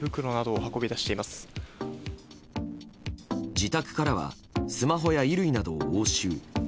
自宅からはスマホや衣類などが押収。